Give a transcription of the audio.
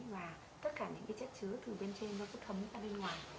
và tất cả những chất chứa từ bên trên nó cứ thấm ra bên ngoài